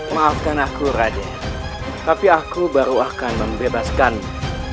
maafkan aku raja tapi aku baru akan membebaskanmu